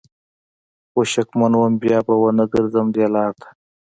خو شکمن وم بیا به ونه ګرځم دې لار ته